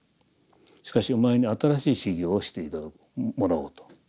「しかしお前に新しい修行をしてもらおう」と。